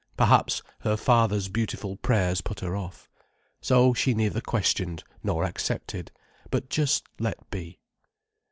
Perhaps her father's beautiful prayers put her off. So she neither questioned nor accepted, but just let be.